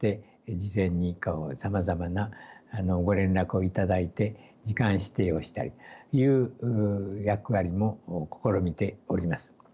事前にさまざまなご連絡を頂いて時間指定をしたりという役割も試みております。